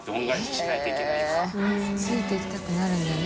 ついていきたくなるんだね。